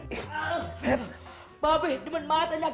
gue bisa deh ngakalin kita puter badan anak lo